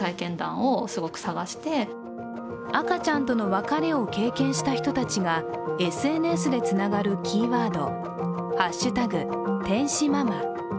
赤ちゃんとの別れを経験した人たちがＳＮＳでつながるキーワード、ハッシュタグ天使ママ。